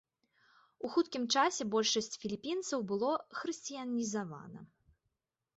У хуткім часе большасць філіпінцаў было хрысціянізавана.